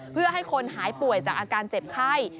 เพื่อให้คนหายป่วยจากอาการเจ็บไข้